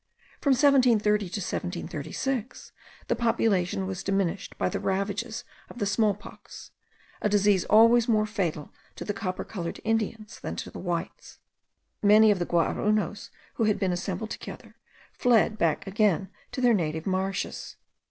From 1730 to 1736, the population was diminished by the ravages of the small pox, a disease always more fatal to the copper coloured Indians than to the whites. Many of the Guaraunos, who had been assembled together, fled back again to their native marshes.